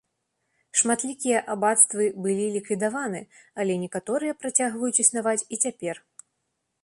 Шматлікія абацтвы былі ліквідаваны, але некаторыя працягваюць існаваць і цяпер.